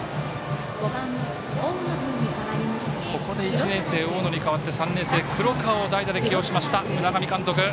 ここで１年生の大野に代わって３年生、黒川を代打で起用しました、海上監督。